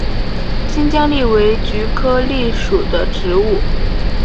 新疆蓟为菊科蓟属的植物。